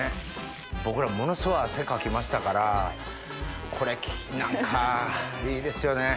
僕らものすごい汗かきましたからこれ何かいいですよね。